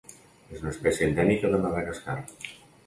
És una espècie endèmica de Madagascar.